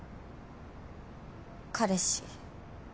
彼氏。